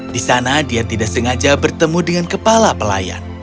di sana dia tidak sengaja bertemu dengan kepala pelayan